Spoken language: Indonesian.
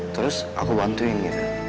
terus aku bantuin gitu